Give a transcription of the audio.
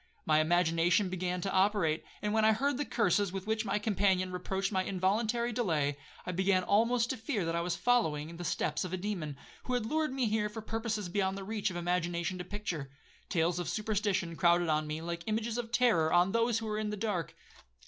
My imagination began to operate, and when I heard the curses with which my companion reproached my involuntary delay, I began almost to fear that I was following the steps of a demon, who had lured me there for purposes beyond the reach of imagination to picture. Tales of superstition crowded on me like images of terror on those who are in the dark.